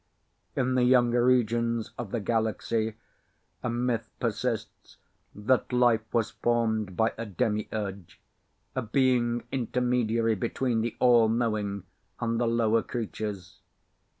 In the younger regions of the galaxy, a myth persists that life was formed by a Demi urge, a being intermediary between the All Knowing and the lower creatures.